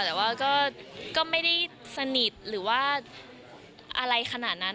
แต่ว่าก็ไม่ได้สนิทหรือว่าอะไรขนาดนั้น